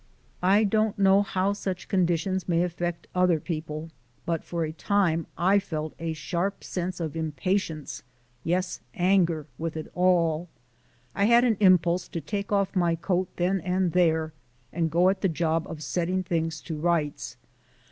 I don't now how such conditions may affect other people, but for a time I felt a sharp sense of impatience yes, anger with it all. I had an impulse to take off my coat then and there and go at the job of setting things to rights.